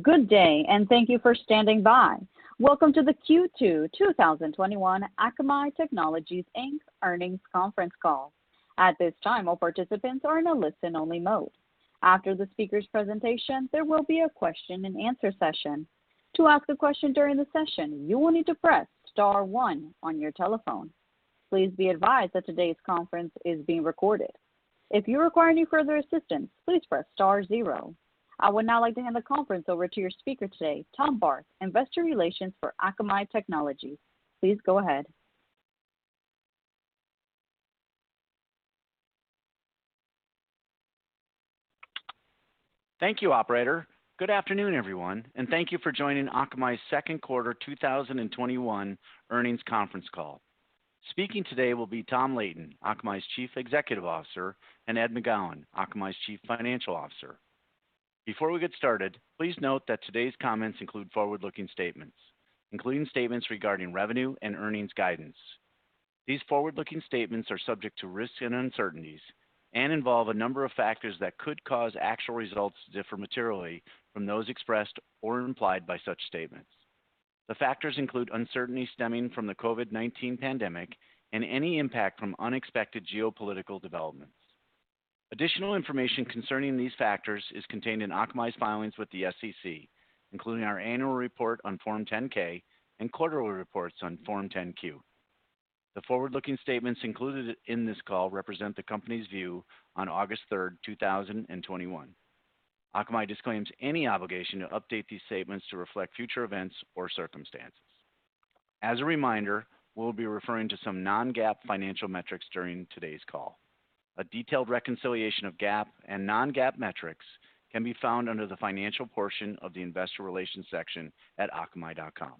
Good day, and thank you for standing by. Welcome to the Q2 2021 Akamai Technologies Inc. earnings conference call. At this time, all participants are in a listen only mode. After the speaker's presentation, there will be a question and answer session. To ask a question during the session, you will need to press star one on your telephone. Please be advised that today's conference is being recorded. If you require any further assistance, please press star zero. I would now like to hand the conference over to your speaker today, Tom Barth, investor relations for Akamai Technologies. Please go ahead. Thank you, operator. Good afternoon, everyone, and thank you for joining Akamai's second quarter 2021 earnings conference call. Speaking today will be Tom Leighton, Akamai's Chief Executive Officer, and Ed McGowan, Akamai's Chief Financial Officer. Before we get started, please note that today's comments include forward-looking statements, including statements regarding revenue and earnings guidance. These forward-looking statements are subject to risks and uncertainties and involve a number of factors that could cause actual results to differ materially from those expressed or implied by such statements. The factors include uncertainty stemming from the COVID-19 pandemic and any impact from unexpected geopolitical developments. Additional information concerning these factors is contained in Akamai's filings with the SEC, including our annual report on Form 10-K and quarterly reports on Form 10-Q. The forward-looking statements included in this call represent the company's view on August 3rd, 2021. Akamai disclaims any obligation to update these statements to reflect future events or circumstances. As a reminder, we'll be referring to some non-GAAP financial metrics during today's call. A detailed reconciliation of GAAP and non-GAAP metrics can be found under the financial portion of the investor relations section at akamai.com.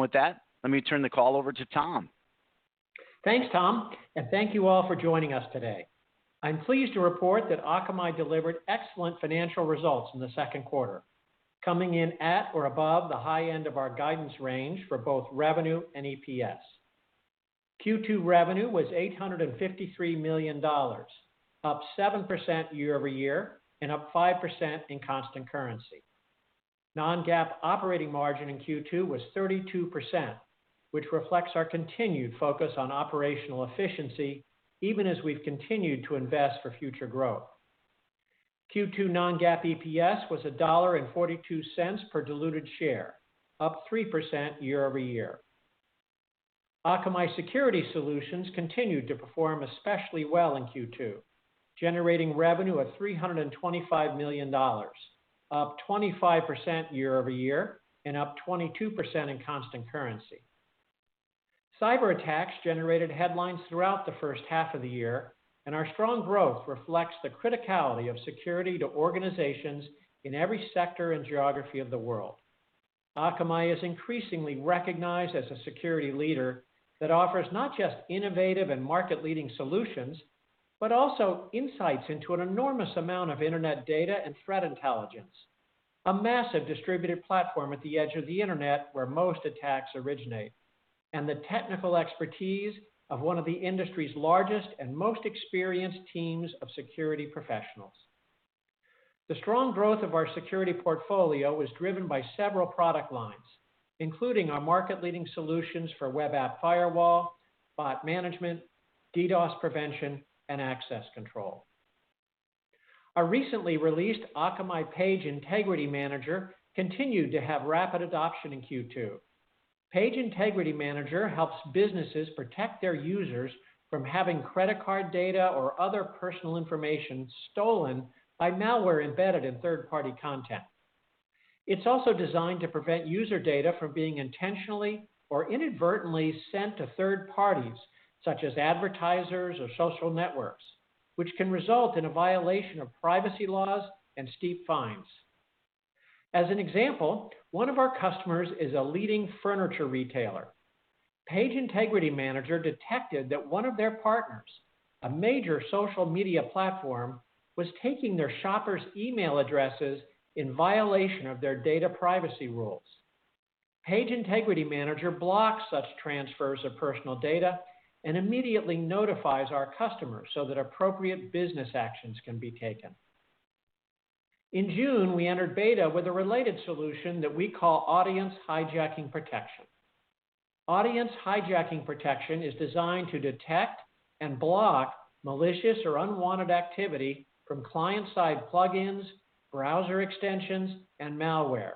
With that, let me turn the call over to Tom. Thanks, Tom, and thank you all for joining us today. I'm pleased to report that Akamai delivered excellent financial results in the second quarter, coming in at or above the high end of our guidance range for both revenue and EPS. Q2 revenue was $853 million, up 7% year-over-year and up 5% in constant currency. Non-GAAP operating margin in Q2 was 32%, which reflects our continued focus on operational efficiency, even as we've continued to invest for future growth. Q2 non-GAAP EPS was $1.42 per diluted share, up 3% year-over-year. Akamai Security Solutions continued to perform especially well in Q2, generating revenue of $325 million, up 25% year-over-year and up 22% in constant currency. Cyber attacks generated headlines throughout the first half of the year. Our strong growth reflects the criticality of security to organizations in every sector and geography of the world. Akamai is increasingly recognized as a security leader that offers not just innovative and market-leading solutions, but also insights into an enormous amount of internet data and threat intelligence, a massive distributed platform at the edge of the internet where most attacks originate, and the technical expertise of one of the industry's largest and most experienced teams of security professionals. The strong growth of our security portfolio was driven by several product lines, including our market-leading solutions for Web Application Firewall, bot management, DDoS prevention, and access control. Our recently released Akamai Page Integrity Manager continued to have rapid adoption in Q2. Page Integrity Manager helps businesses protect their users from having credit card data or other personal information stolen by malware embedded in third-party content. It's also designed to prevent user data from being intentionally or inadvertently sent to third parties, such as advertisers or social networks, which can result in a violation of privacy laws and steep fines. As an example, one of our customers is a leading furniture retailer. Page Integrity Manager detected that one of their partners, a major social media platform, was taking their shoppers' email addresses in violation of their data privacy rules. Page Integrity Manager blocks such transfers of personal data and immediately notifies our customers so that appropriate business actions can be taken. In June, we entered beta with a related solution that we call Audience Hijacking Protector. Audience Hijacking Protector is designed to detect and block malicious or unwanted activity from client-side plugins, browser extensions, and malware.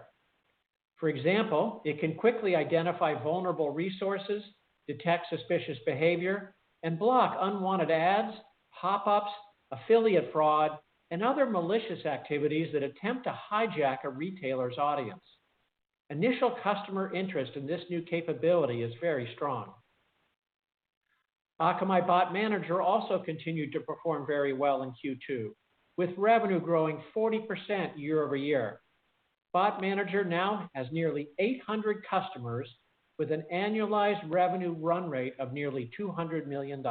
For example, it can quickly identify vulnerable resources, detect suspicious behavior, and block unwanted ads, pop-ups, affiliate fraud, and other malicious activities that attempt to hijack a retailer's audience. Initial customer interest in this new capability is very strong. Akamai Bot Manager also continued to perform very well in Q2, with revenue growing 40% year-over-year. Bot Manager now has nearly 800 customers with an annualized revenue run rate of nearly $200 million.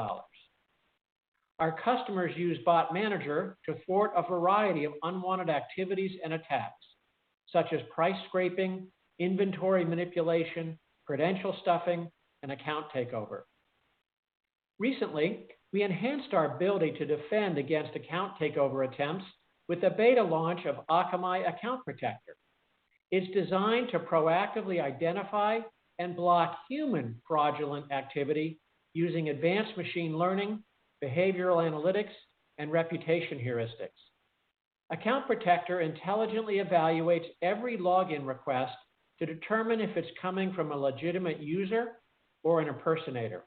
Our customers use Bot Manager to thwart a variety of unwanted activities and attacks, such as price scraping, inventory manipulation, credential stuffing, and account takeover. Recently, we enhanced our ability to defend against account takeover attempts with the beta launch of Akamai Account Protector. It's designed to proactively identify and block human fraudulent activity using advanced machine learning, behavioral analytics, and reputation heuristics. Account Protector intelligently evaluates every login request to determine if it's coming from a legitimate user or an impersonator.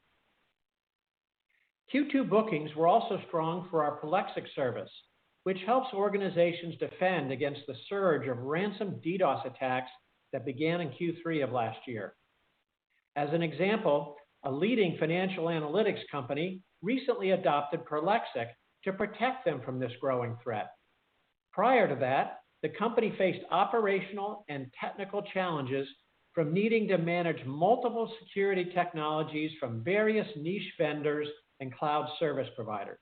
Q2 bookings were also strong for our Prolexic service, which helps organizations defend against the surge of ransom DDoS attacks that began in Q3 of last year. As an example, a leading financial analytics company recently adopted Prolexic to protect them from this growing threat. Prior to that, the company faced operational and technical challenges from needing to manage multiple security technologies from various niche vendors and cloud service providers.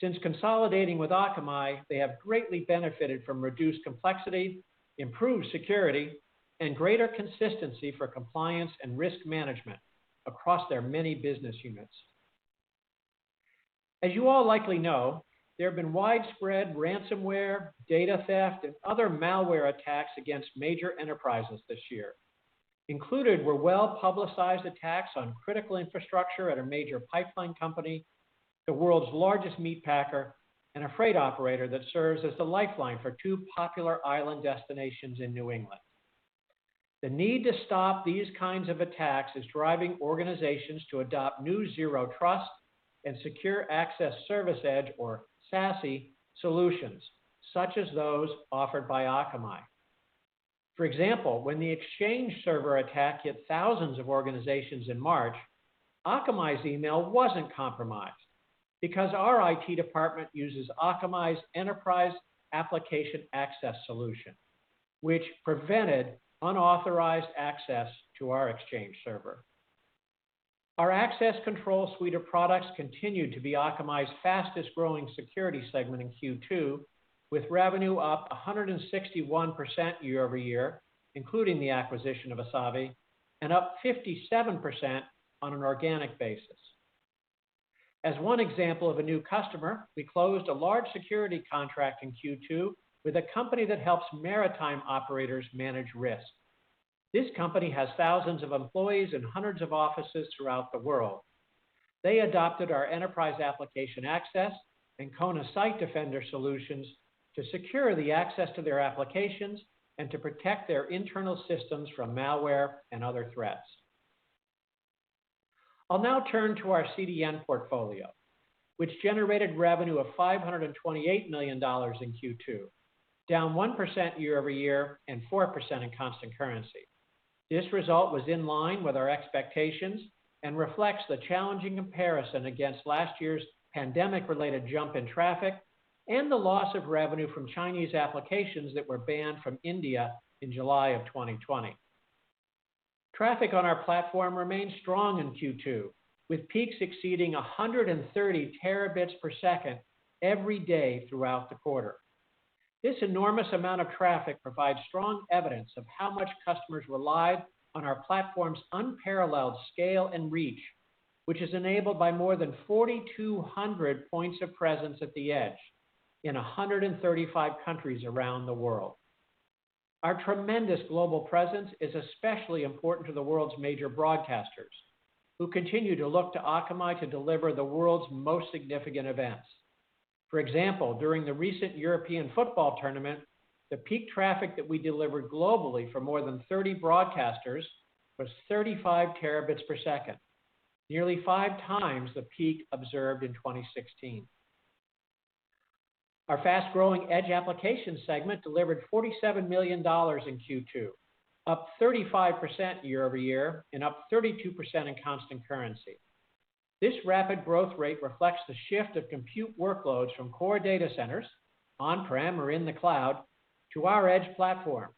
Since consolidating with Akamai, they have greatly benefited from reduced complexity, improved security, and greater consistency for compliance and risk management across their many business units. As you all likely know, there have been widespread ransomware, data theft, and other malware attacks against major enterprises this year. Included were well-publicized attacks on critical infrastructure at a major pipeline company, the world's largest meatpacker, and a freight operator that serves as the lifeline for two popular island destinations in New England. The need to stop these kinds of attacks is driving organizations to adopt new Zero Trust and secure access service edge, or SASE, solutions, such as those offered by Akamai. For example, when the Exchange Server attack hit thousands of organizations in March, Akamai's email wasn't compromised because our IT department uses Akamai's Enterprise Application Access solution, which prevented unauthorized access to our Exchange Server. Our access control suite of products continued to be Akamai's fastest-growing security segment in Q2, with revenue up 161% year-over-year, including the acquisition of Asavie, and up 57% on an organic basis. As one example of a new customer, we closed a large security contract in Q2 with a company that helps maritime operators manage risk. This company has thousands of employees and hundreds of offices throughout the world. They adopted our Enterprise Application Access and Kona Site Defender solutions to secure the access to their applications and to protect their internal systems from malware and other threats. I'll now turn to our CDN portfolio, which generated revenue of $528 million in Q2, down 1% year-over-year and 4% in constant currency. This result was in line with our expectations and reflects the challenging comparison against last year's pandemic-related jump in traffic and the loss of revenue from Chinese applications that were banned from India in July of 2020. Traffic on our platform remained strong in Q2, with peaks exceeding 130 terabits per second every day throughout the quarter. This enormous amount of traffic provides strong evidence of how much customers rely on our platform's unparalleled scale and reach, which is enabled by more than 4,200 points of presence at the edge in 135 countries around the world. Our tremendous global presence is especially important to the world's major broadcasters, who continue to look to Akamai to deliver the world's most significant events. For example, during the recent European football tournament, the peak traffic that we delivered globally for more than 30 broadcasters was 35 terabits per second, nearly 5 times the peak observed in 2016. Our fast-growing Edge Applications segment delivered $47 million in Q2, up 35% year-over-year and up 32% in constant currency. This rapid growth rate reflects the shift of compute workloads from core data centers on-prem or in the cloud to our edge platform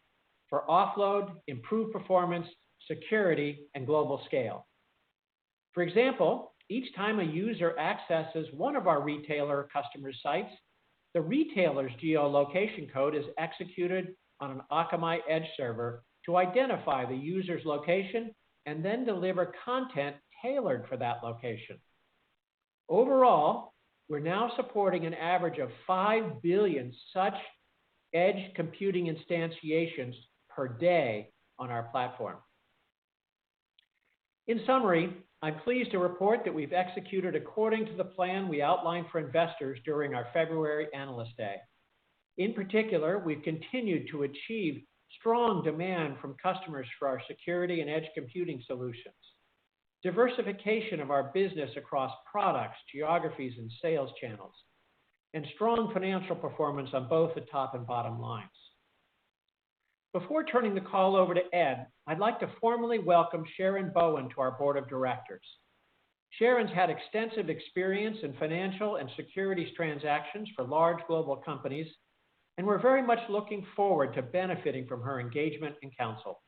for offload, improved performance, security, and global scale. For example, each time a user accesses one of our retailer customer's sites, the retailer's geolocation code is executed on an Akamai Edge server to identify the user's location and then deliver content tailored for that location. Overall, we're now supporting an average of five billion such edge computing instantiations per day on our platform. In summary, I'm pleased to report that we've executed according to the plan we outlined for investors during our February Analyst Day. In particular, we've continued to achieve strong demand from customers for our Security and edge computing solutions. Diversification of our business across products, geographies, and sales channels, and strong financial performance on both the top and bottom lines. Before turning the call over to Ed, I'd like to formally welcome Sharon Bowen to our board of directors. Sharon's had extensive experience in financial and securities transactions for large global companies, and we're very much looking forward to benefiting from her engagement and counsel.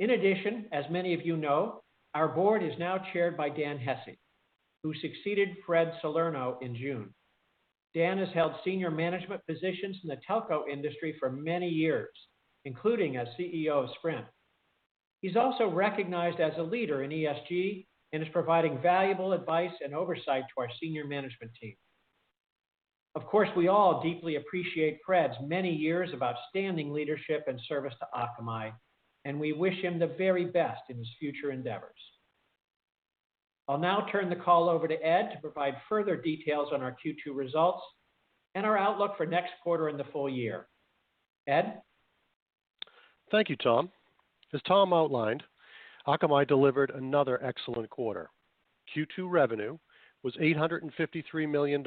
In addition, as many of you know, our board is now chaired by Dan Hesse, who succeeded Fred Salerno in June. Dan has held senior management positions in the telco industry for many years, including as CEO of Sprint. He's also recognized as a leader in ESG and is providing valuable advice and oversight to our senior management team. Of course, we all deeply appreciate Fred's many years of outstanding leadership and service to Akamai, and we wish him the very best in his future endeavors. I'll now turn the call over to Ed to provide further details on our Q2 results and our outlook for next quarter and the full year. Ed? Thank you, Tom. As Tom outlined, Akamai delivered another excellent quarter. Q2 revenue was $853 million,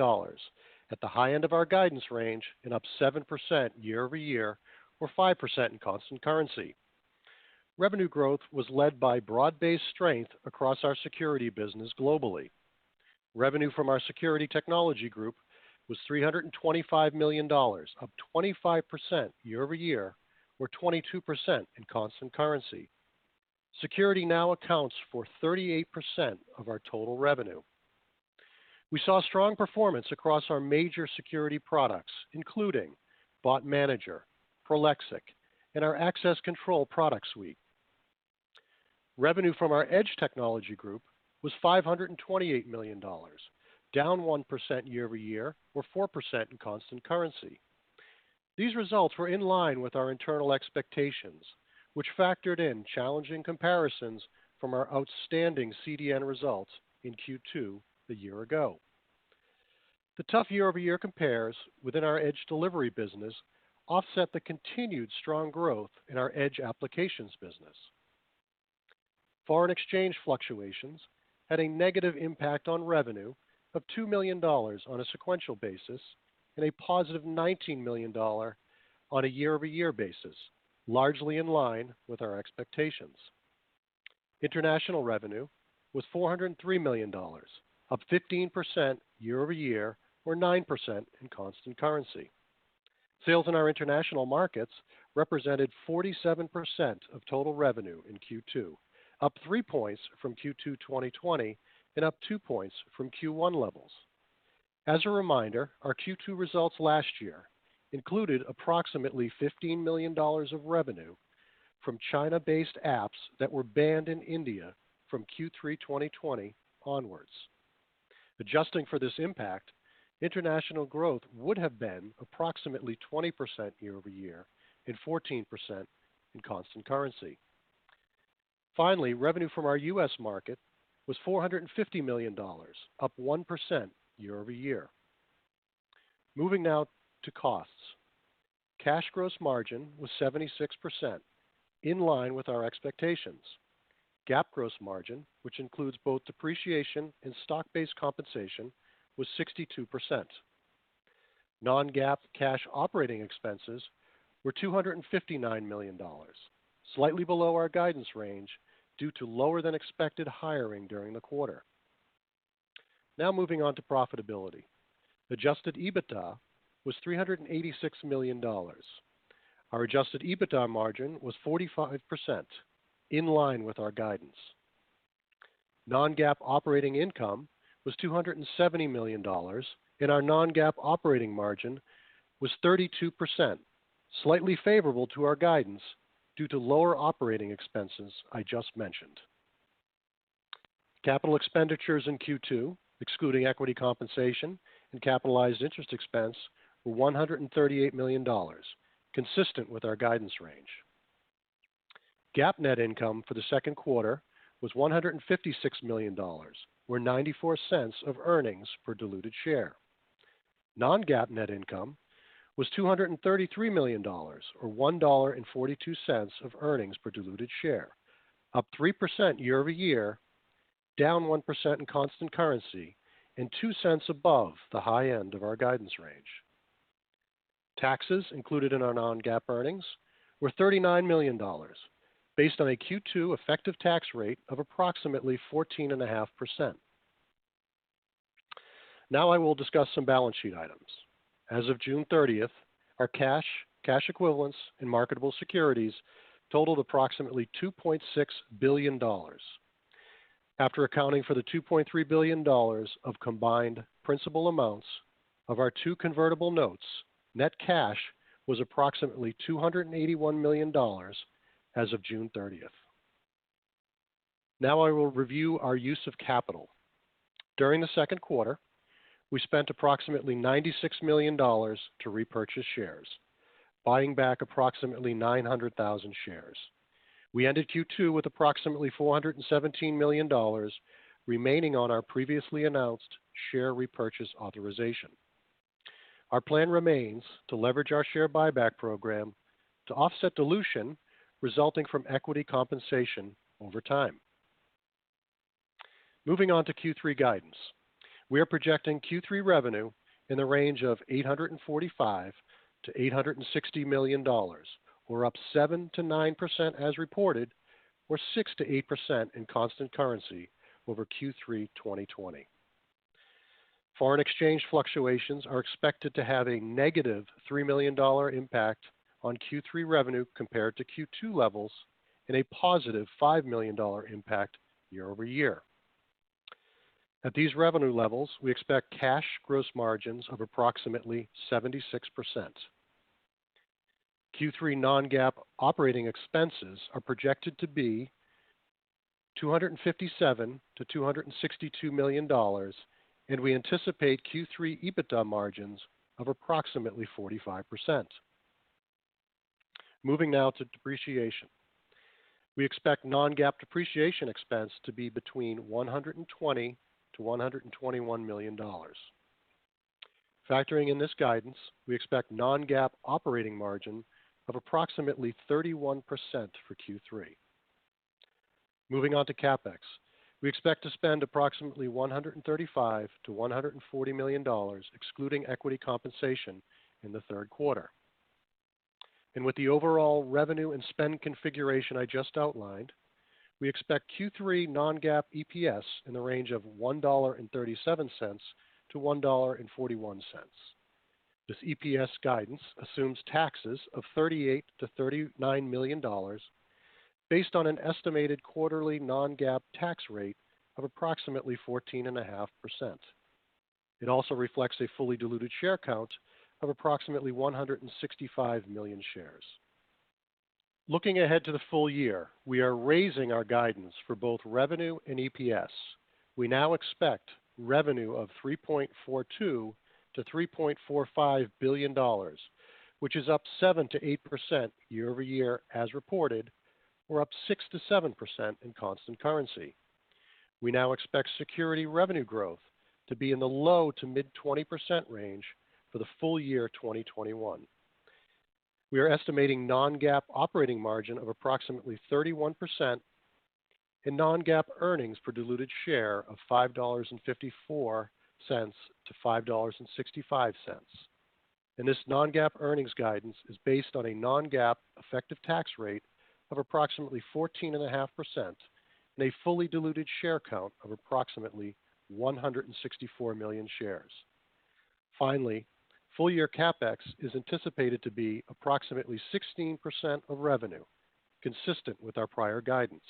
at the high end of our guidance range and up 7% year-over-year, or 5% in constant currency. Revenue growth was led by broad-based strength across our security business globally. Revenue from our Security Technology Group was $325 million, up 25% year-over-year, or 22% in constant currency. Security now accounts for 38% of our total revenue. We saw strong performance across our major security products, including Bot Manager, Prolexic, and our access control product suite. Revenue from our Edge Technology Group was $528 million, down 1% year-over-year, or 4% in constant currency. These results were in line with our internal expectations, which factored in challenging comparisons from our outstanding CDN results in Q2 a year ago. The tough year-over-year compares within our Edge Delivery business offset the continued strong growth in our Edge Applications business. Foreign exchange fluctuations had a negative impact on revenue of $2 million on a sequential basis and a positive $19 million on a year-over-year basis, largely in line with our expectations. International revenue was $403 million, up 15% year-over-year, or 9% in constant currency. Sales in our international markets represented 47% of total revenue in Q2, up 3 points from Q2 2020 and up 2 points from Q1 levels. As a reminder, our Q2 results last year included approximately $15 million of revenue from China-based apps that were banned in India from Q3 2020 onwards. Adjusting for this impact, international growth would have been approximately 20% year-over-year and 14% in constant currency. Finally, revenue from our U.S. market was $450 million, up 1% year-over-year. Moving now to costs. Cash gross margin was 76%, in line with our expectations. GAAP gross margin, which includes both depreciation and stock-based compensation, was 62%. Non-GAAP cash operating expenses were $259 million, slightly below our guidance range due to lower than expected hiring during the quarter. Now moving on to profitability. Adjusted EBITDA was $386 million. Our adjusted EBITDA margin was 45%, in line with our guidance. Non-GAAP operating income was $270 million, and our non-GAAP operating margin was 32%, slightly favorable to our guidance due to lower operating expenses I just mentioned. Capital expenditures in Q2, excluding equity compensation and capitalized interest expense, were $138 million, consistent with our guidance range. GAAP net income for the second quarter was $156 million, or $0.94 of earnings per diluted share. Non-GAAP net income was $233 million, or $1.42 of earnings per diluted share, up 3% year-over-year, down 1% in constant currency, and $0.02 above the high end of our guidance range. Taxes included in our non-GAAP earnings were $39 million, based on a Q2 effective tax rate of approximately 14.5%. I will discuss some balance sheet items. As of June 30th, our cash equivalents, and marketable securities totaled approximately $2.6 billion. After accounting for the $2.3 billion of combined principal amounts of our two convertible notes, net cash was approximately $281 million as of June 30th. I will review our use of capital. During the second quarter, we spent approximately $96 million to repurchase shares, buying back approximately 900,000 shares. We ended Q2 with approximately $417 million remaining on our previously announced share repurchase authorization. Our plan remains to leverage our share buyback program to offset dilution resulting from equity compensation over time. Moving on to Q3 guidance. We are projecting Q3 revenue in the range of $845 million-$860 million, or up 7%-9% as reported, or 6%-8% in constant currency over Q3 2020. Foreign exchange fluctuations are expected to have a negative $3 million impact on Q3 revenue compared to Q2 levels. A positive $5 million impact year-over-year. At these revenue levels, we expect cash gross margins of approximately 76%. Q3 non-GAAP operating expenses are projected to be $257 million-$262 million, and we anticipate Q3 EBITDA margins of approximately 45%. Moving now to depreciation. We expect non-GAAP depreciation expense to be between $120 million-$121 million. Factoring in this guidance, we expect non-GAAP operating margin of approximately 31% for Q3. Moving on to CapEx. We expect to spend approximately $135 million-$140 million, excluding equity compensation, in the third quarter. With the overall revenue and spend configuration I just outlined, we expect Q3 non-GAAP EPS in the range of $1.37-$1.41. This EPS guidance assumes taxes of $38 million-$39 million based on an estimated quarterly non-GAAP tax rate of approximately 14.5%. It also reflects a fully diluted share count of approximately 165 million shares. Looking ahead to the full year, we are raising our guidance for both revenue and EPS. We now expect revenue of $3.42 billion-$3.45 billion, which is up 7%-8% year-over-year as reported, or up 6%-7% in constant currency. We now expect security revenue growth to be in the low to mid 20% range for the full year 2021. We are estimating non-GAAP operating margin of approximately 31% and non-GAAP earnings per diluted share of $5.54 to $5.65. This non-GAAP earnings guidance is based on a non-GAAP effective tax rate of approximately 14.5% and a fully diluted share count of approximately 164 million shares. Finally, full-year CapEx is anticipated to be approximately 16% of revenue, consistent with our prior guidance.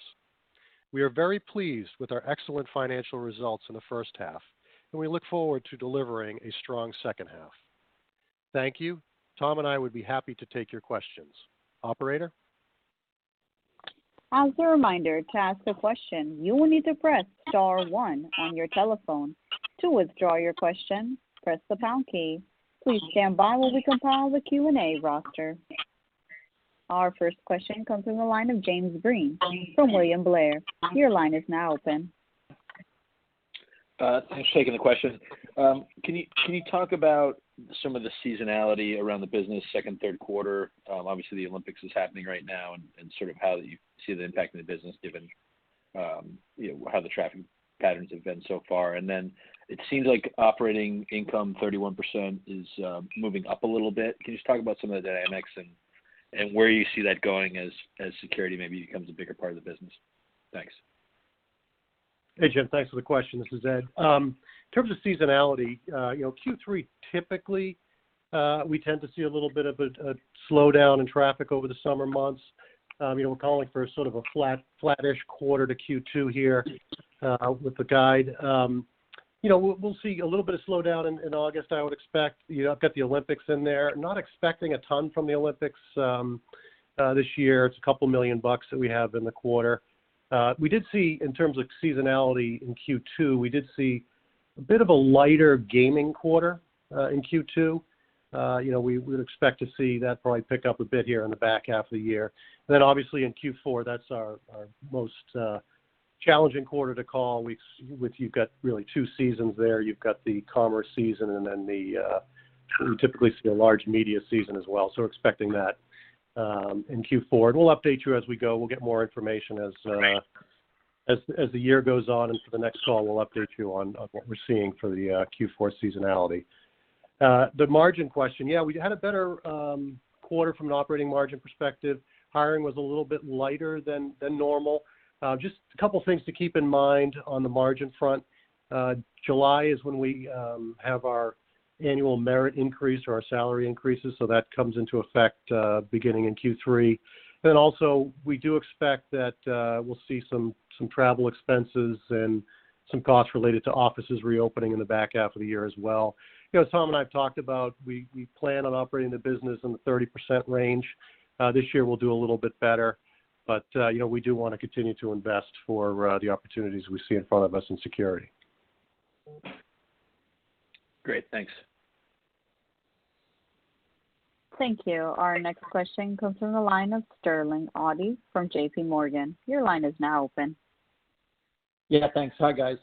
We are very pleased with our excellent financial results in the first half, and we look forward to delivering a strong second half. Thank you. Tom and I would be happy to take your questions. Operator? Our first question comes from the line of James Breen from William Blair. Thanks for taking the question. Can you talk about some of the seasonality around the business, second, third quarter? Obviously, the Olympics is happening right now, and how you see the impact in the business given how the traffic patterns have been so far. It seems like operating income 31% is moving up a little bit. Can you just talk about some of the dynamics and where you see that going as security maybe becomes a bigger part of the business? Thanks. Hey, Jim. Thanks for the question. This is Ed. In terms of seasonality, Q3, typically we tend to see a little bit of a slowdown in traffic over the summer months. We're calling for a flat-ish quarter to Q2 here with the guide. We'll see a little bit of slowdown in August, I would expect. I've got the Olympics in there. Not expecting a ton from the Olympics this year. It's a $2 million that we have in the quarter. We did see, in terms of seasonality in Q2, we did see a bit of a lighter gaming quarter in Q2. We would expect to see that probably pick up a bit here in the back half of the year. Obviously in Q4, that's our most challenging quarter to call. You've got really two seasons there. You've got the commerce season, and then we typically see a large media season as well. Expecting that in Q4. We'll update you as we go. We'll get more information as. Great as the year goes on. For the next call, we'll update you on what we're seeing for the Q4 seasonality. The margin question. We had a better quarter from an operating margin perspective. A couple things to keep in mind on the margin front. July is when we have our annual merit increase or our salary increases, so that comes into effect beginning in Q3. Also, we do expect that we'll see some travel expenses and some costs related to offices reopening in the back half of the year as well. As Tom and I have talked about, we plan on operating the business in the 30% range. This year, we'll do a little bit better. We do want to continue to invest for the opportunities we see in front of us in security. Great. Thanks. Thank you. Our next question comes from the line of Sterling Auty from JP Morgan. Your line is now open. Yeah, thanks. Hi, guys.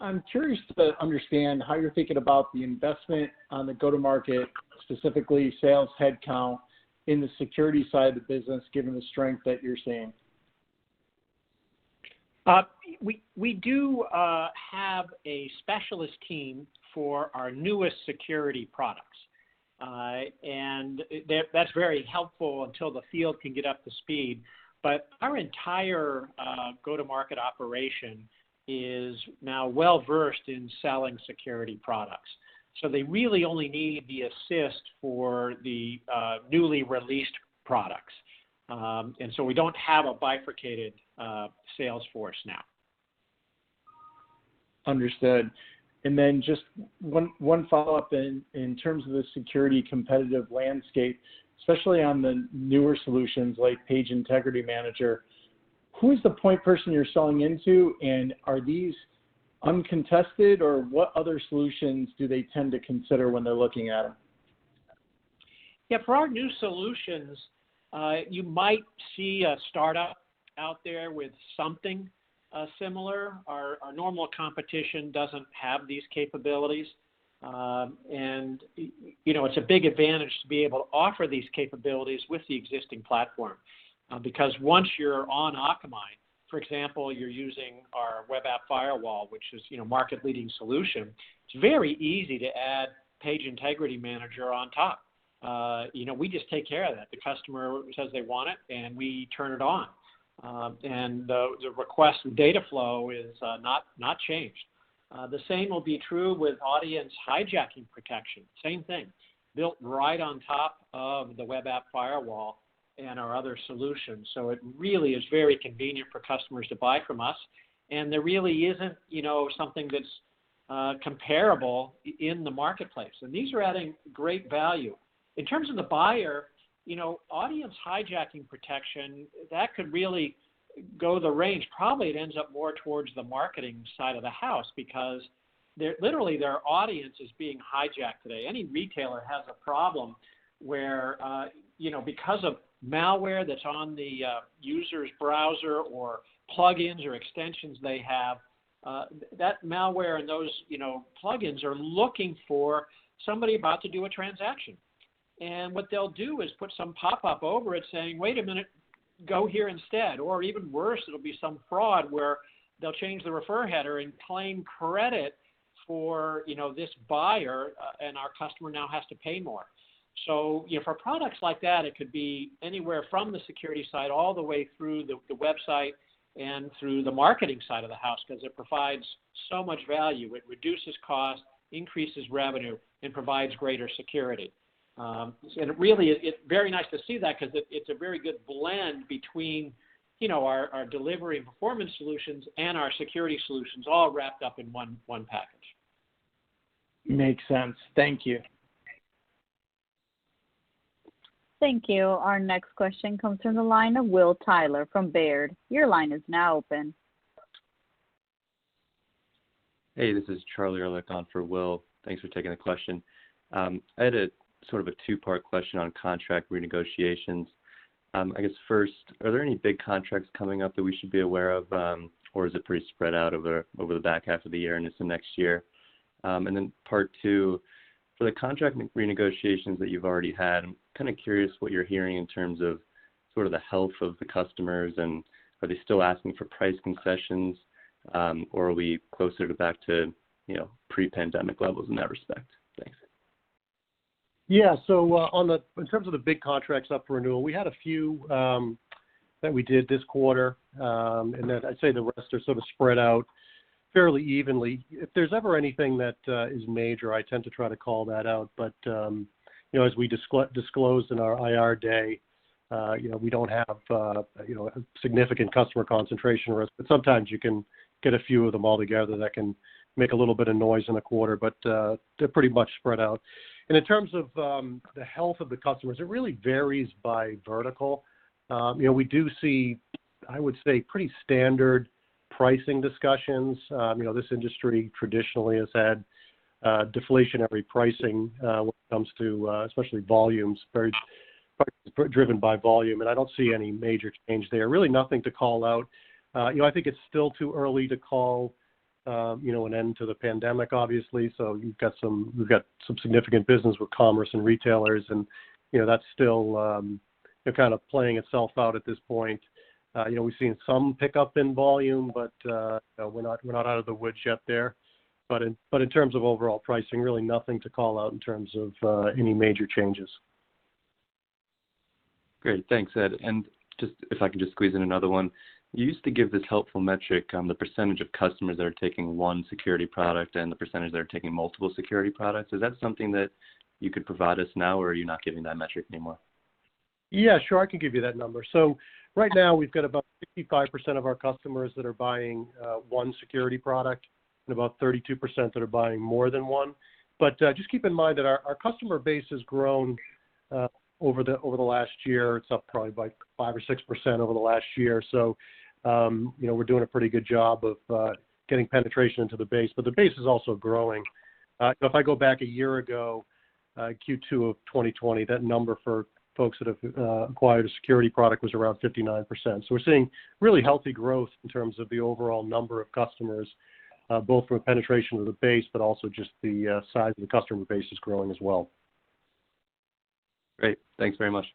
I'm curious to understand how you're thinking about the investment on the go-to-market, specifically sales headcount in the security side of the business, given the strength that you're seeing. We do have a specialist team for our newest security products. That's very helpful until the field can get up to speed. Our entire go-to-market operation is now well-versed in selling security products. They really only need the assist for the newly released products. We don't have a bifurcated sales force now. Understood. Just one follow-up in terms of the security competitive landscape, especially on the newer solutions like Page Integrity Manager. Who is the point person you're selling into, and are these uncontested, or what other solutions do they tend to consider when they're looking at them? Yeah. For our new solutions, you might see a startup out there with something similar. Our normal competition doesn't have these capabilities. It's a big advantage to be able to offer these capabilities with the existing platform. Once you're on Akamai, for example, you're using our Web Application Firewall, which is a market-leading solution, it's very easy to add Page Integrity Manager on top. We just take care of that. The customer says they want it, and we turn it on. The request and data flow is not changed. The same will be true with Audience Hijacking Protector. Same thing. Built right on top of the Web Application Firewall and our other solutions. It really is very convenient for customers to buy from us, and there really isn't something that's comparable in the marketplace. These are adding great value. In terms of the buyer, Audience Hijacking Protector, that could really go the range. Probably it ends up more towards the marketing side of the house because literally their audience is being hijacked today. Any retailer has a problem where, because of malware that's on the user's browser or plugins or extensions they have, that malware and those plugins are looking for somebody about to do a transaction. What they'll do is put some pop-up over it saying, "Wait a minute, go here instead." Even worse, it'll be some fraud where they'll change the referer header and claim credit for this buyer, and our customer now has to pay more. For products like that, it could be anywhere from the security side all the way through the website and through the marketing side of the house because it provides so much value. It reduces cost, increases revenue, and provides greater security. Really, it's very nice to see that because it's a very good blend between our delivery and performance solutions and our security solutions all wrapped up in one package. Makes sense. Thank you. Thank you. Our next question comes from the line of Will Tyler from Baird. Your line is now open. Hey, this is Charlie Elrikh on for Will. Thanks for taking the question. I had a two-part question on contract renegotiations. I guess first, are there any big contracts coming up that we should be aware of, or is it pretty spread out over the back half of the year and into next year? Then part 2, for the contract renegotiations that you've already had, I'm kind of curious what you're hearing in terms of sort of the health of the customers, and are they still asking for price concessions, or are we closer to back to pre-pandemic levels in that respect? Thanks. In terms of the big contracts up for renewal, we had a few that we did this quarter. I'd say the rest are sort of spread out fairly evenly. If there's ever anything that is major, I tend to try to call that out. As we disclosed in our Investor Day, we don't have a significant customer concentration risk. Sometimes you can get a few of them all together that can make a little bit of noise in a quarter, but they're pretty much spread out. In terms of the health of the customers, it really varies by vertical. We do see, I would say, pretty standard pricing discussions. This industry traditionally has had deflationary pricing when it comes to especially volumes, very driven by volume, and I don't see any major change there. Really nothing to call out. I think it's still too early to call an end to the pandemic, obviously. We've got some significant business with commerce and retailers, and that's still kind of playing itself out at this point. We've seen some pickup in volume, but we're not out of the woods yet there. In terms of overall pricing, really nothing to call out in terms of any major changes. Great. Thanks, Ed. If I could just squeeze in another one. You used to give this helpful metric on the percentage of customers that are taking 1 security product and the percentage that are taking multiple security products. Is that something that you could provide us now, or are you not giving that metric anymore? Yeah, sure. I can give you that number. Right now, we've got about 55% of our customers that are buying 1 security product and about 32% that are buying more than 1. Just keep in mind that our customer base has grown over the last year. It's up probably by 5% or 6% over the last year. We're doing a pretty good job of getting penetration into the base, but the base is also growing. If I go back 1 year ago, Q2 of 2020, that number for folks that have acquired a security product was around 59%. We're seeing really healthy growth in terms of the overall number of customers, both from a penetration of the base, but also just the size of the customer base is growing as well. Great. Thanks very much.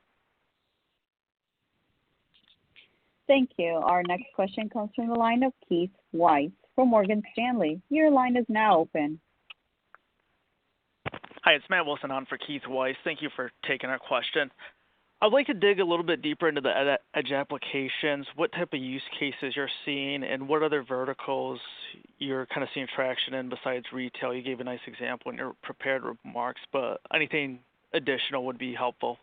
Thank you. Our next question comes from the line of Keith Weiss from Morgan Stanley. Your line is now open. Hi, it's Matt Wilson on for Keith Weiss. Thank you for taking our question. I would like to dig a little bit deeper into the Edge Applications, what type of use cases you're seeing, and what other verticals you're kind of seeing traction in besides retail. You gave a nice example in your prepared remarks, but anything additional would be helpful.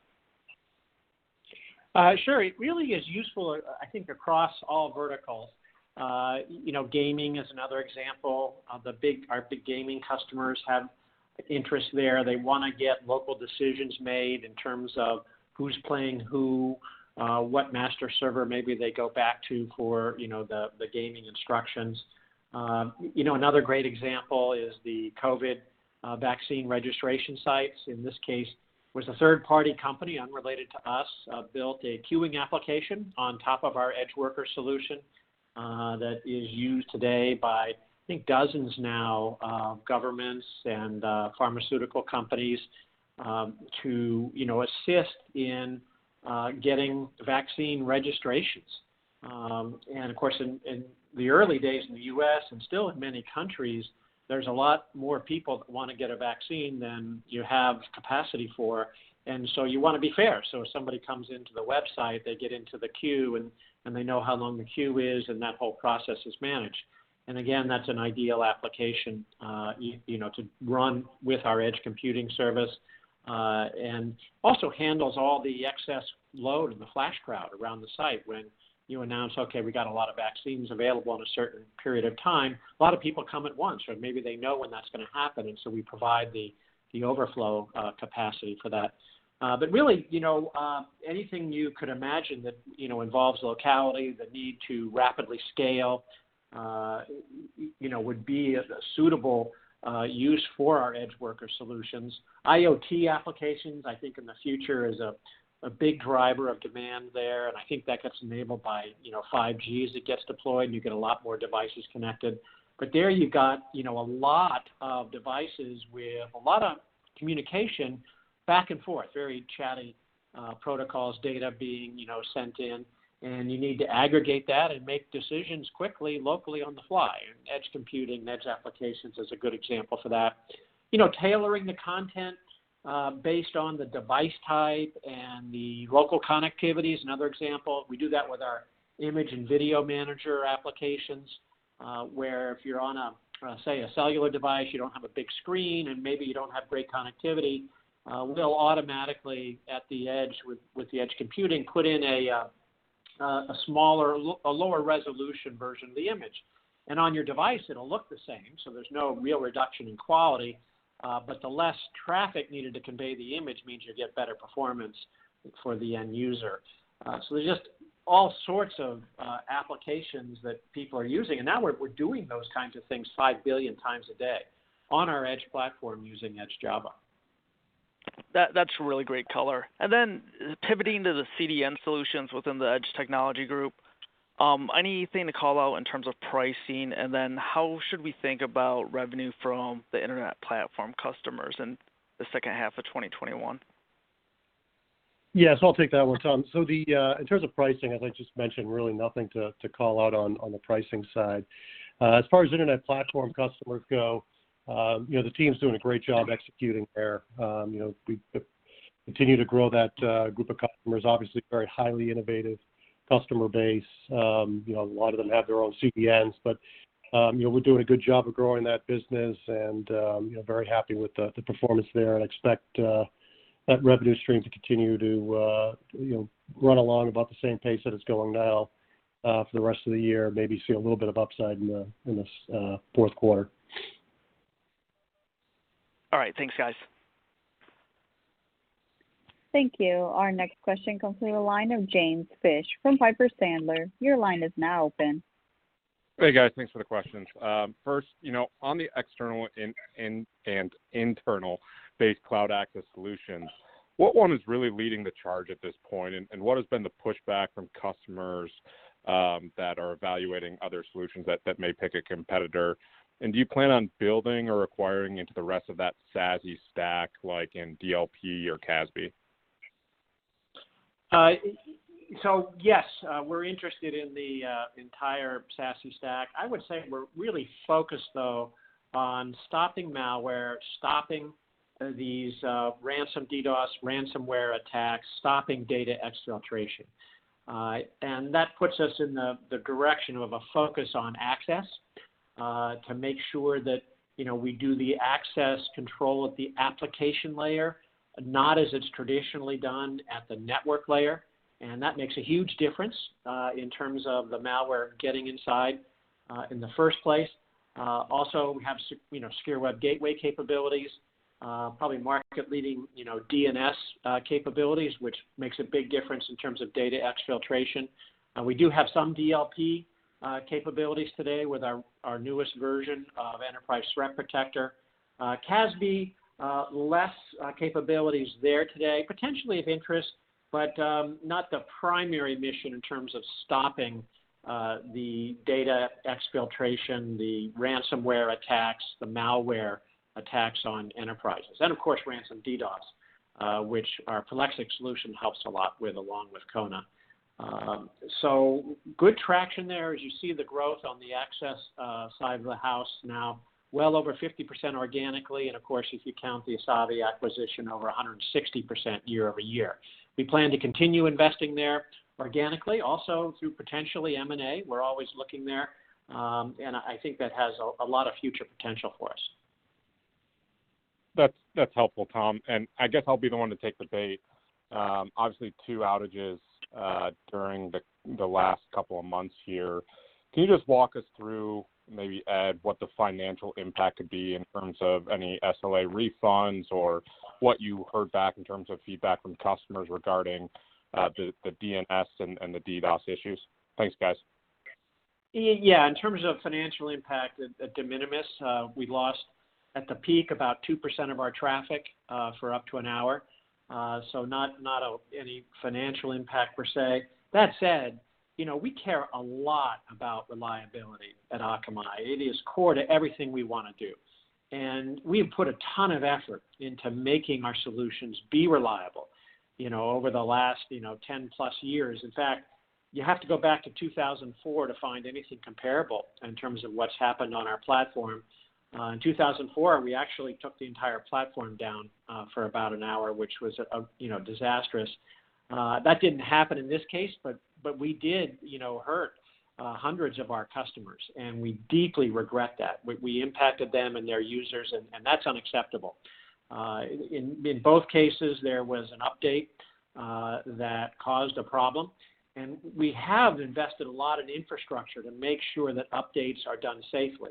Sure. It really is useful, I think, across all verticals. Gaming is another example. Our big gaming customers have interest there. They want to get local decisions made in terms of who's playing who, what master server maybe they go back to for the gaming instructions. Another great example is the COVID vaccine registration sites. In this case, it was a third-party company unrelated to us, built a queuing application on top of our EdgeWorkers solution, that is used today by, I think dozens now, governments and pharmaceutical companies to assist in getting vaccine registrations. Of course, in the early days in the U.S. and still in many countries, there's a lot more people that want to get a vaccine than you have capacity for. So you want to be fair. If somebody comes into the website, they get into the queue and they know how long the queue is, and that whole process is managed. Again, that's an ideal application to run with our edge computing service. Also handles all the excess load and the flash crowd around the site when you announce, "Okay, we got a lot of vaccines available" in a certain period of time, a lot of people come at once, or maybe they know when that's going to happen, and so we provide the overflow capacity for that. Really, anything you could imagine that involves locality, the need to rapidly scale, would be a suitable use for our EdgeWorkers solutions. IoT applications, I think, in the future is a big driver of demand there, and I think that gets enabled by 5G as it gets deployed, and you get a lot more devices connected. There you got a lot of devices with a lot of communication back and forth, very chatty protocols, data being sent in. You need to aggregate that and make decisions quickly, locally on the fly, and Edge computing, Edge Applications is a good example for that. Tailoring the content based on the device type and the local connectivity is another example. We do that with our Image and Video Manager applications, where if you're on, say, a cellular device, you don't have a big screen, and maybe you don't have great connectivity, we'll automatically, at the edge with the Edge computing, put in a lower resolution version of the image. On your device, it'll look the same, so there's no real reduction in quality. The less traffic needed to convey the image means you get better performance for the end user. There's just all sorts of applications that people are using. Now we're doing those kinds of things 5 billion times a day on our edge platform using Edge Java. That's really great color. Pivoting to the CDN solutions within the Edge Technology Group, anything to call out in terms of pricing, and then how should we think about revenue from the internet platform customers in the second half of 2021? I'll take that one, Tom. In terms of pricing, as I just mentioned, really nothing to call out on the pricing side. As far as internet platform customers go, the team's doing a great job executing there. We continue to grow that group of customers. Very highly innovative customer base. A lot of them have their own CDNs, but we're doing a good job of growing that business and very happy with the performance there and expect that revenue stream to continue to run along about the same pace that it's going now, for the rest of the year. Maybe see a little bit of upside in the fourth quarter. All right. Thanks, guys. Thank you. Our next question comes from the line of James Fish from Piper Sandler. Your line is now open. Hey, guys. Thanks for the questions. First, on the external and internal-based cloud access solutions, what one is really leading the charge at this point, and what has been the pushback from customers that are evaluating other solutions that may pick a competitor? Do you plan on building or acquiring into the rest of that SASE stack, like in DLP or CASB? Yes, we're interested in the entire SASE stack. I would say we're really focused, though, on stopping malware, stopping these ransom DDoS, ransomware attacks, stopping data exfiltration. That puts us in the direction of a focus on access, to make sure that we do the access control at the application layer, not as it's traditionally done at the network layer. That makes a huge difference, in terms of the malware getting inside in the first place. Also we have secure web gateway capabilities, probably market-leading DNS capabilities, which makes a big difference in terms of data exfiltration. We do have some DLP capabilities today with our newest version of Enterprise Threat Protector. CASB, less capabilities there today. Potentially of interest, but not the primary mission in terms of stopping the data exfiltration, the ransomware attacks, the malware attacks on enterprises. Of course, ransom DDoS, which our Prolexic solution helps a lot with, along with Kona. Good traction there. You see the growth on the access side of the house now, well over 50% organically, and of course, if you count the Asavie acquisition, over 160% year-over-year. We plan to continue investing there organically, also through potentially M&A. We're always looking there. I think that has a lot of future potential for us. That's helpful, Tom. I guess I'll be the one to take the bait. Obviously, 2 outages during the last couple of months here. Can you just walk us through, maybe add what the financial impact could be in terms of any SLA refunds or what you heard back in terms of feedback from customers regarding the DNS and the DDoS issues? Thanks, guys. Yeah. In terms of financial impact, at de minimis, we lost at the peak about 2% of our traffic for up to an hour. Not any financial impact per se. That said, we care a lot about reliability at Akamai. It is core to everything we want to do. We have put a ton of effort into making our solutions be reliable over the last 10 plus years. In fact, you have to go back to 2004 to find anything comparable in terms of what's happened on our platform. In 2004, we actually took the entire platform down for about an hour, which was disastrous. That didn't happen in this case, but we did hurt hundreds of our customers, and we deeply regret that. We impacted them and their users, and that's unacceptable. In both cases, there was an update that caused a problem, and we have invested a lot in infrastructure to make sure that updates are done safely.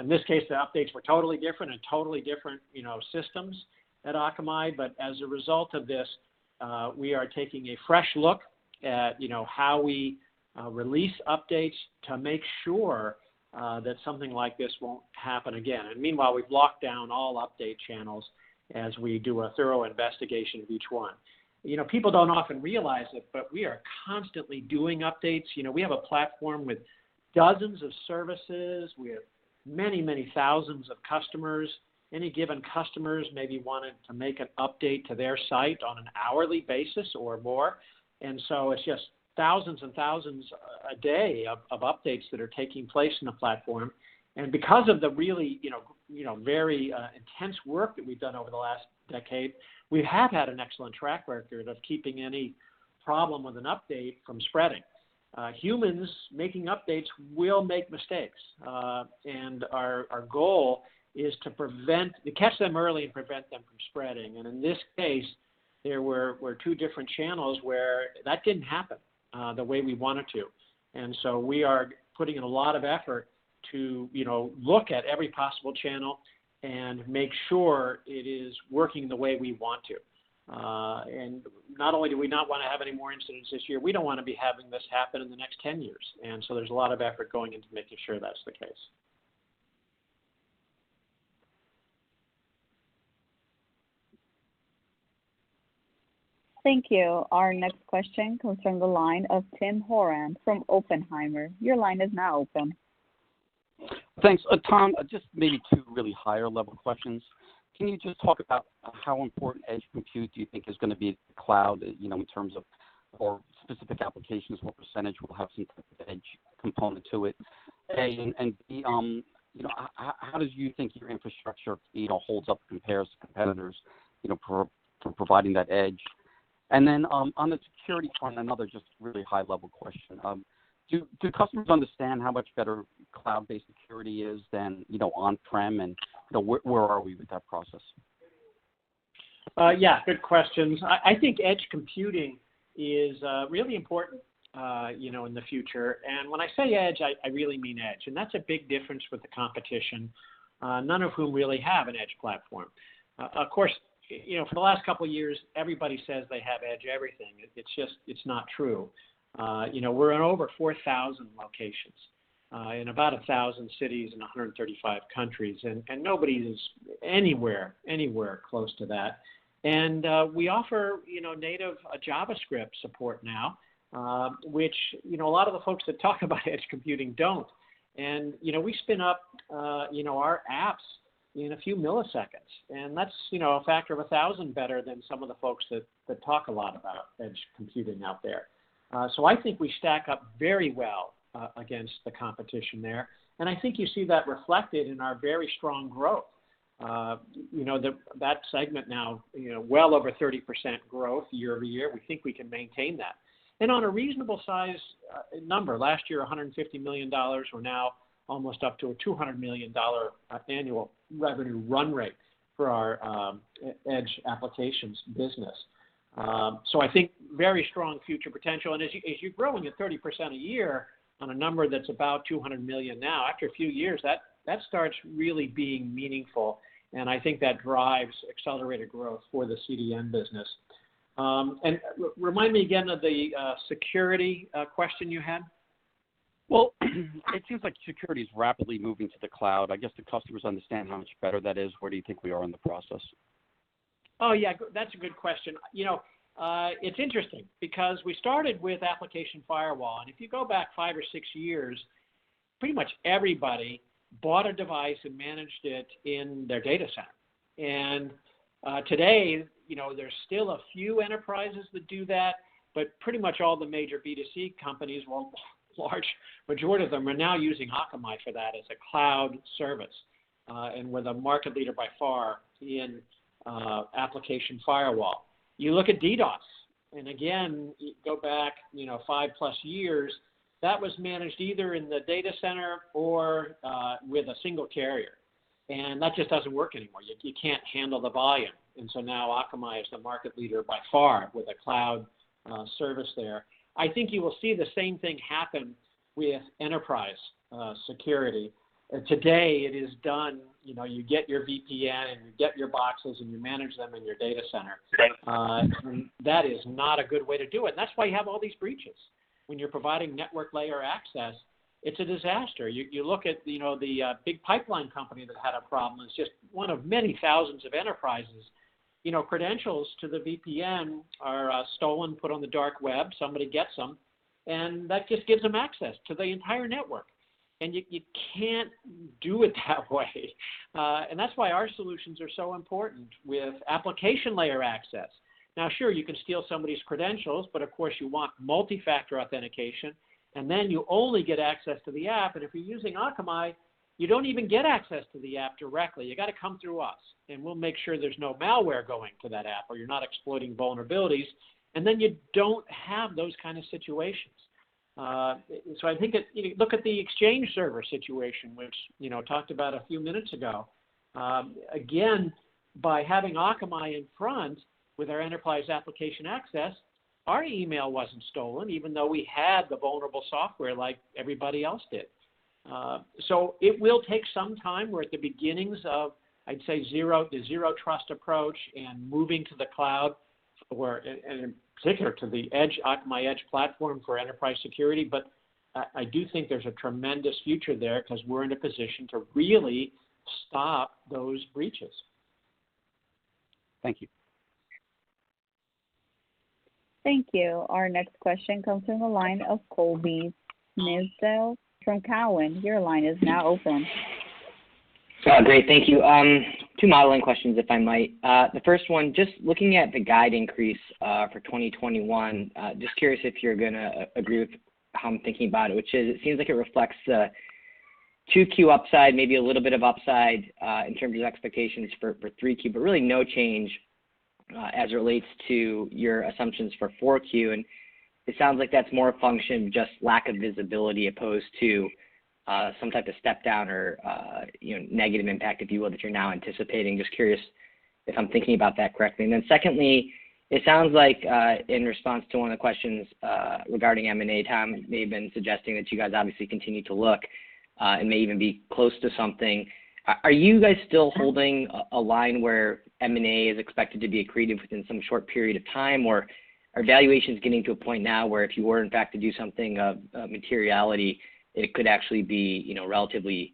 In this case, the updates were totally different in totally different systems at Akamai. As a result of this, we are taking a fresh look at how we release updates to make sure that something like this won't happen again. Meanwhile, we've locked down all update channels as we do a thorough investigation of each one. People don't often realize it, but we are constantly doing updates. We have a platform with dozens of services. We have many, many thousands of customers. Any given customers maybe wanted to make an update to their site on an hourly basis or more. It's just thousands and thousands a day of updates that are taking place in the platform. Because of the really very intense work that we've done over the last decade, we have had an excellent track record of keeping any problem with an update from spreading. Humans making updates will make mistakes. Our goal is to catch them early and prevent them from spreading. In this case, there were two different channels where that didn't happen the way we wanted to. So we are putting in a lot of effort to look at every possible channel and make sure it is working the way we want to. Not only do we not want to have any more incidents this year, we don't want to be having this happen in the next 10 years. So there's a lot of effort going into making sure that's the case. Thank you. Our next question comes from the line of Tim Horan from Oppenheimer. Your line is now open. Thanks. Tom, just maybe two really higher-level questions. Can you just talk about how important Edge compute do you think is going to be cloud, in terms of for specific applications, what % will have some type of Edge component to it? A, and, B, how do you think your infrastructure holds up compared to competitors for providing that Edge? On the Security front, another just really high-level question. Do customers understand how much better cloud-based Security is than on-prem, and where are we with that process? Yeah, good questions. I think edge computing is really important in the future. When I say edge, I really mean edge, and that's a big difference with the competition, none of whom really have an edge platform. Of course, for the last couple of years, everybody says they have edge everything. It's not true. We're in over 4,000 locations, in about 1,000 cities and 135 countries, and nobody is anywhere close to that. We offer native JavaScript support now, which a lot of the folks that talk about edge computing don't. We spin up our apps in a few milliseconds, and that's a factor of 1,000 better than some of the folks that talk a lot about edge computing out there. I think we stack up very well against the competition there, and I think you see that reflected in our very strong growth. That segment now, well over 30% growth year-over-year. We think we can maintain that. On a reasonable size number, last year, $150 million, we're now almost up to a $200 million annual revenue run rate for our Edge Applications business. I think very strong future potential. As you're growing at 30% a year on a number that's about $200 million now, after a few years, that starts really being meaningful, and I think that drives accelerated growth for the CDN business. Remind me again of the security question you had. Well, it seems like security's rapidly moving to the cloud. I guess the customers understand how much better that is. Where do you think we are in the process? That's a good question. It's interesting because we started with Web Application Firewall, and if you go back five or six years, pretty much everybody bought a device and managed it in their data center. Today, there's still a few enterprises that do that, but pretty much all the major B2C companies, well, large majority of them, are now using Akamai for that as a cloud service. We're the market leader by far in Web Application Firewall. You look at DDoS. Again, you go back five-plus years, that was managed either in the data center or with a single carrier. That just doesn't work anymore. You can't handle the volume. Now Akamai is the market leader by far with a cloud service there. I think you will see the same thing happen with enterprise security. Today, it is done, you get your VPN, and you get your boxes, and you manage them in your data center. Right. That is not a good way to do it, and that's why you have all these breaches. When you're providing network layer access, it's a disaster. You look at the big pipeline company that had a problem as just one of many thousands of enterprises. Credentials to the VPN are stolen, put on the dark web, somebody gets them, and that just gives them access to the entire network. You can't do it that way. That's why our solutions are so important with application layer access. Now sure, you can steal somebody's credentials, but of course you want multi-factor authentication, and then you only get access to the app. If you're using Akamai, you don't even get access to the app directly. You got to come through us, and we'll make sure there's no malware going to that app, or you're not exploiting vulnerabilities, and then you don't have those kind of situations. I think if you look at the Exchange Server situation, which talked about a few minutes ago. Again, by having Akamai in front with our Akamai Enterprise Application Access, our email wasn't stolen even though we had the vulnerable software like everybody else did. It will take some time. We're at the beginnings of, I'd say, the Zero Trust approach and moving to the cloud, and in particular to the Akamai Edge platform for enterprise security. I do think there's a tremendous future there because we're in a position to really stop those breaches. Thank you. Thank you. Our next question comes from the line of Colby Synesael from Cowen. Your line is now open. Great. Thank you. Two modeling questions, if I might. The first one, just looking at the guide increase, for 2021, just curious if you're going to agree with how I'm thinking about it, which is it seems like it reflects a Q2 upside, maybe a little bit of upside, in terms of expectations for Q3, but really no change as it relates to your assumptions for Q4. It sounds like that's more a function of just lack of visibility opposed to some type of step-down or negative impact, if you will, that you're now anticipating. Just curious if I'm thinking about that correctly. Secondly, it sounds like, in response to one of the questions regarding M&A, Tom may have been suggesting that you guys obviously continue to look, and may even be close to something. Are you guys still holding a line where M&A is expected to be accretive within some short period of time, or are valuations getting to a point now where if you were in fact to do something of materiality, it could actually be relatively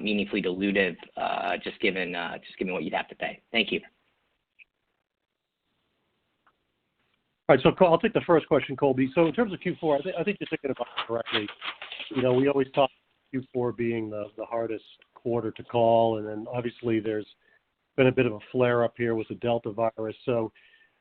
meaningfully dilutive, just given what you'd have to pay? Thank you. All right. I'll take the first question, Colby. In terms of Q4, I think you're thinking about it correctly. We always thought Q4 being the hardest quarter to call, and then obviously there's been a bit of a flare up here with the Delta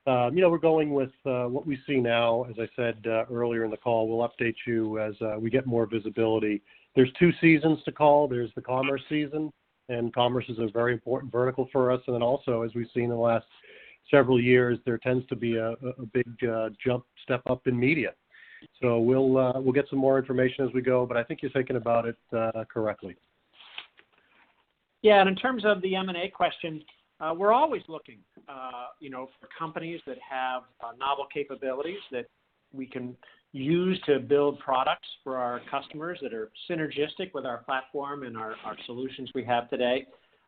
variant. We're going with what we see now. As I said earlier in the call, we'll update you as we get more visibility. There's two seasons to call. There's the commerce season, and commerce is a very important vertical for us. Also, as we've seen in the last several years, there tends to be a big jump, step up in media. We'll get some more information as we go, but I think you're thinking about it correctly. Yeah, in terms of the M&A question, we're always looking for companies that have novel capabilities that we can use to build products for our customers that are synergistic with our platform and our solutions we have today.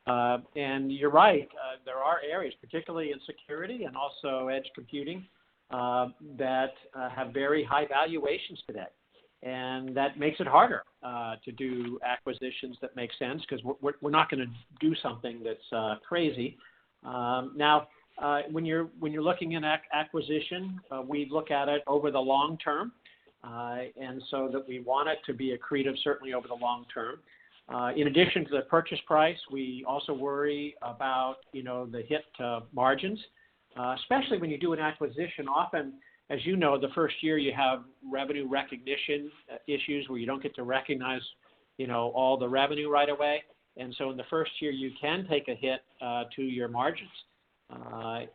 You're right, there are areas, particularly in security and also edge computing, that have very high valuations today. That makes it harder to do acquisitions that make sense because we're not going to do something that's crazy. Now, when you're looking at acquisition, we look at it over the long term. We want it to be accretive certainly over the long term. In addition to the purchase price, we also worry about the hit to margins. Especially when you do an acquisition, often, as you know, the first year you have revenue recognition issues where you don't get to recognize all the revenue right away. In the first year, you can take a hit to your margins.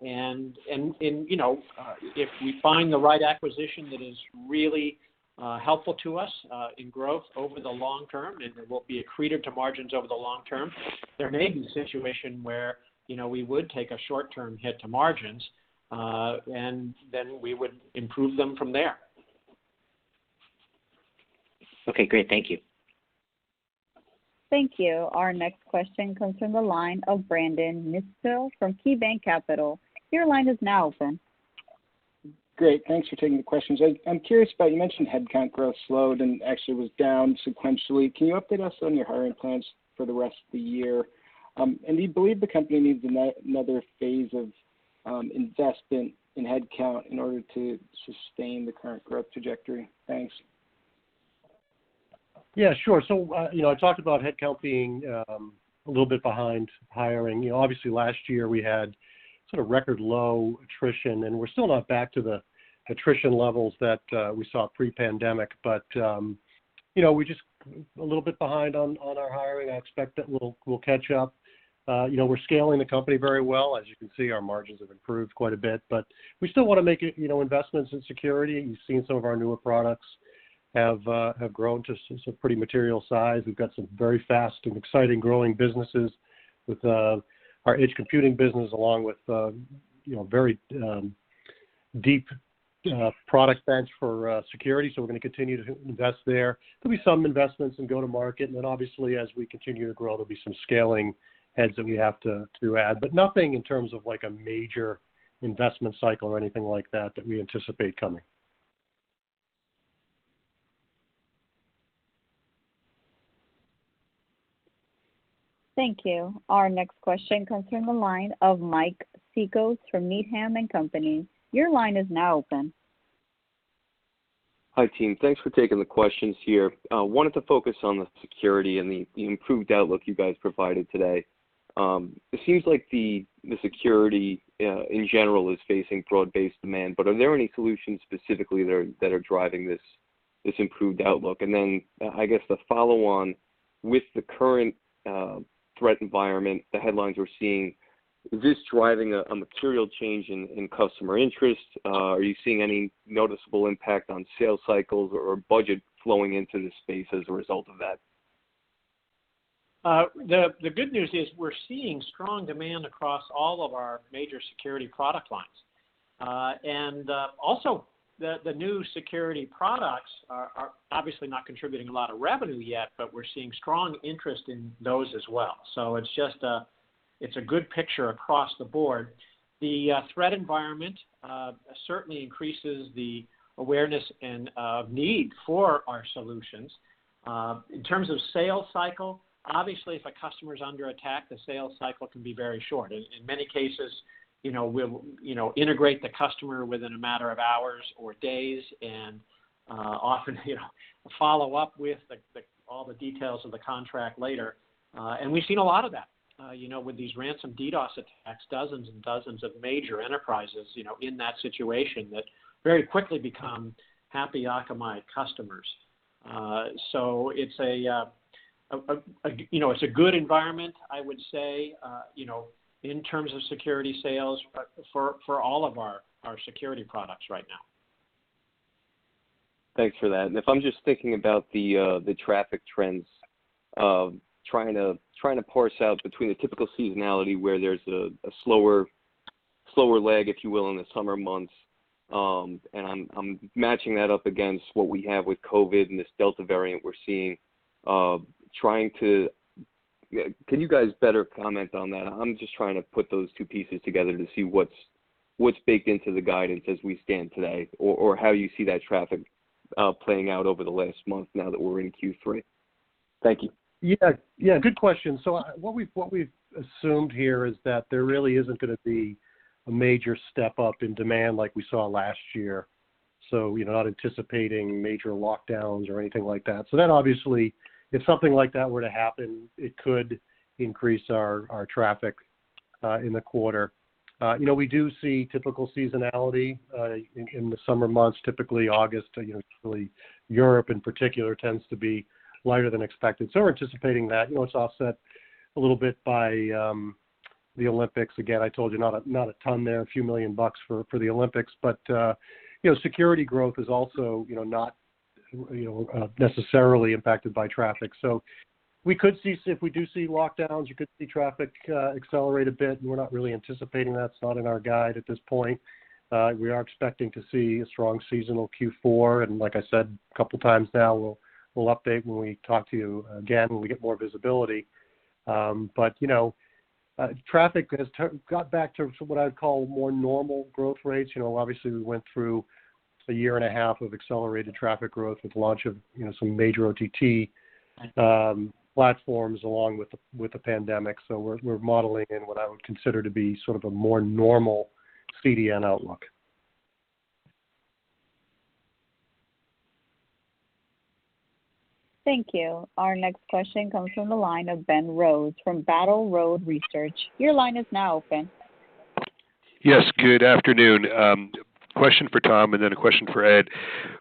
If we find the right acquisition that is really helpful to us in growth over the long term, and it will be accretive to margins over the long term, there may be a situation where we would take a short-term hit to margins, and then we would improve them from there. Okay, great. Thank you. Thank you. Our next question comes from the line of Brandon Nispel from KeyBanc Capital Markets. Your line is now open. Great. Thanks for taking the questions. I'm curious about, you mentioned headcount growth slowed and actually was down sequentially. Can you update us on your hiring plans for the rest of the year? Do you believe the company needs another phase of investment in headcount in order to sustain the current growth trajectory? Thanks. Yeah, sure. I talked about headcount being a little bit behind hiring. Obviously last year, we had sort of record low attrition, and we're still not back to the attrition levels that we saw pre-pandemic, but a little bit behind on our hiring. I expect that we'll catch up. We're scaling the company very well. As you can see, our margins have improved quite a bit. We still want to make investments in security. You've seen some of our newer products have grown to some pretty material size. We've got some very fast and exciting growing businesses with our Edge computing business, along with very deep product bench for security, so we're going to continue to invest there. There'll be some investments in go-to-market, and then obviously as we continue to grow, there'll be some scaling heads that we have to add. Nothing in terms of a major investment cycle or anything like that we anticipate coming. Thank you. Our next question comes from the line of Mike Cikos from Needham & Company. Your line is now open. Hi, team. Thanks for taking the questions here. I wanted to focus on the security and the improved outlook you guys provided today. It seems like the security, in general, is facing broad-based demand, but are there any solutions specifically that are driving this improved outlook? Then I guess the follow-on, with the current threat environment, the headlines we're seeing, is this driving a material change in customer interest? Are you seeing any noticeable impact on sales cycles or budget flowing into this space as a result of that? The good news is we're seeing strong demand across all of our major security product lines. The new security products are obviously not contributing a lot of revenue yet, but we're seeing strong interest in those as well. It's a good picture across the board. The threat environment certainly increases the awareness and need for our solutions. In terms of sales cycle, obviously, if a customer is under attack, the sales cycle can be very short. In many cases, we'll integrate the customer within a matter of hours or days and often follow up with all the details of the contract later. We've seen a lot of that. With these ransom DDoS attacks, dozens and dozens of major enterprises in that situation that very quickly become happy Akamai customers. It's a good environment, I would say, in terms of security sales for all of our security products right now. Thanks for that. If I'm just thinking about the traffic trends, trying to parse out between the typical seasonality where there's a slower lag, if you will, in the summer months, and I'm matching that up against what we have with COVID and this Delta variant we're seeing. Can you guys better comment on that? I'm just trying to put those two pieces together to see what's baked into the guidance as we stand today, or how you see that traffic playing out over the last month now that we're in Q3. Thank you. Yeah. Good question. What we've assumed here is that there really isn't going to be a major step-up in demand like we saw last year, we're not anticipating major lockdowns or anything like that. Obviously, if something like that were to happen, it could increase our traffic in the quarter. We do see typical seasonality in the summer months, typically August. Europe, in particular, tends to be lighter than expected. We're anticipating that. It's offset a little bit by the Olympics. Again, I told you, not a ton there, a few million dollars for the Olympics. Security growth is also not necessarily impacted by traffic. If we do see lockdowns, you could see traffic accelerate a bit, and we're not really anticipating that. It's not in our guide at this point. We are expecting to see a strong seasonal Q4, and like I said a couple of times now, we'll update when we talk to you again, when we get more visibility. Traffic has got back to what I'd call more normal growth rates. Obviously, we went through a year and a half of accelerated traffic growth with the launch of some major OTT platforms along with the pandemic. We're modeling in what I would consider to be sort of a more normal CDN outlook. Thank you. Our next question comes from the line of Ben Rose from Battle Road Research. Your line is now open. Yes, good afternoon. Question for Tom, and then a question for Ed.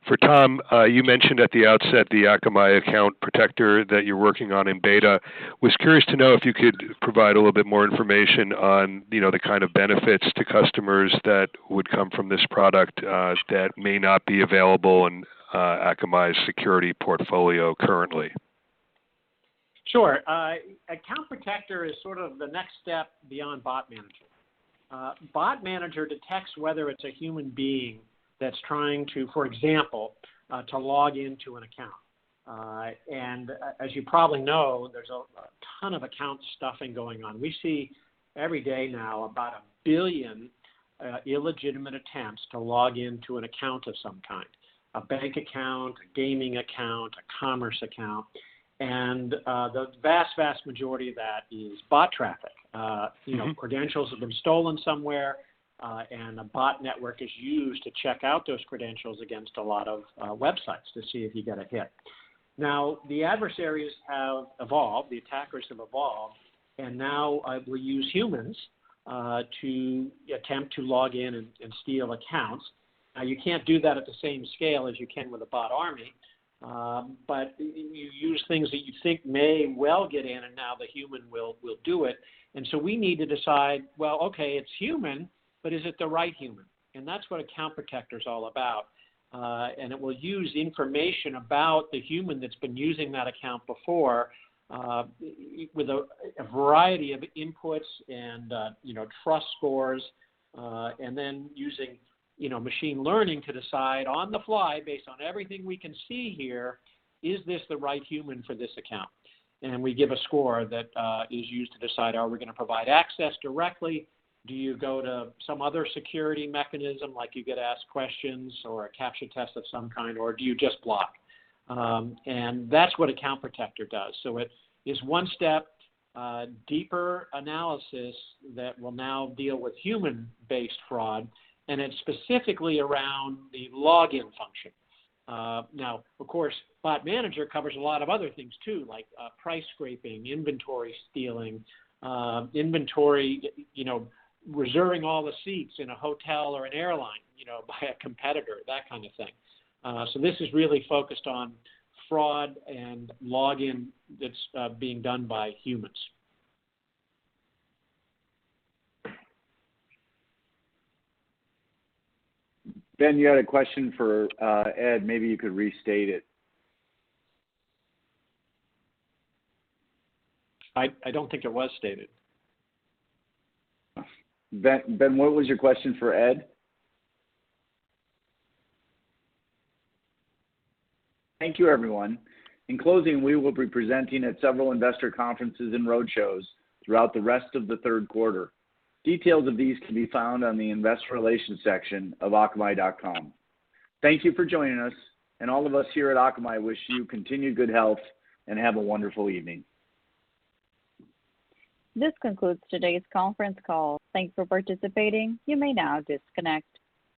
For Tom, you mentioned at the outset the Akamai Account Protector that you're working on in beta. I was curious to know if you could provide a little bit more information on the kind of benefits to customers that would come from this product that may not be available in Akamai's security portfolio currently. Sure. Account Protector is sort of the next step beyond Bot Manager. Bot Manager detects whether it's a human being that's trying to, for example, to log into an account. As you probably know, there's a ton of account stuffing going on. We see every day now about 1 billion illegitimate attempts to log into an account of some kind. A bank account, a gaming account, a commerce account, the vast majority of that is bot traffic. Credentials have been stolen somewhere, a bot network is used to check out those credentials against a lot of websites to see if you get a hit. The adversaries have evolved, the attackers have evolved, and now will use humans to attempt to log in and steal accounts. You can't do that at the same scale as you can with a bot army, but you use things that you think may well get in, and now the human will do it. We need to decide, well, okay, it's human, but is it the right human? That's what Account Protector is all about. It will use information about the human that's been using that account before, with a variety of inputs and trust scores, and then using machine learning to decide on the fly based on everything we can see here, is this the right human for this account? We give a score that is used to decide, are we going to provide access directly? Do you go to some other security mechanism, like you get asked questions or a CAPTCHA test of some kind, or do you just block? That's what Account Protector does. It is one step deeper analysis that will now deal with human-based fraud, and it's specifically around the login function. Of course, Bot Manager covers a lot of other things too, like price scraping, inventory stealing, reserving all the seats in a hotel or an airline by a competitor, that kind of thing. This is really focused on fraud and login that's being done by humans. Ben, you had a question for Ed. Maybe you could restate it? I don't think it was stated. Ben, what was your question for Ed? Thank you, everyone. In closing, we will be presenting at several investor conferences and roadshows throughout the rest of the third quarter. Details of these can be found on the investor relations section of akamai.com. Thank you for joining us, and all of us here at Akamai wish you continued good health and have a wonderful evening. This concludes today's conference call. Thanks for participating. You may now disconnect.